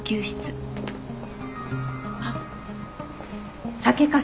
あっ酒粕。